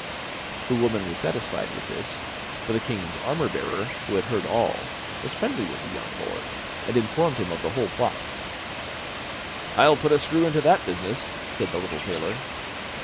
The woman was satisfied with this; but the king's armour bearer, who had heard all, was friendly with the young lord, and informed him of the whole plot. 'I'll put a screw into that business,' said the little tailor.